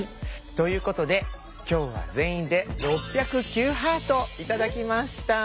ということで今日は全員で６０９ハート頂きました。